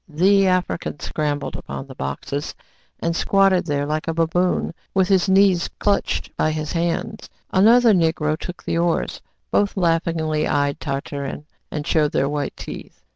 The African scrambled upon the boxes, and squatted there like a baboon, with his knees clutched by his hands. Another Negro took the oars. Both laughingly eyed Tartarin, and showed their white teeth.